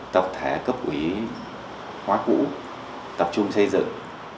tập thể cấp ủy khóa cũ tập trung xây dựng